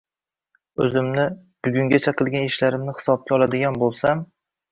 O‘zimni, bugungacha qilgan ishlarimni hisobga oladigan bo‘lsam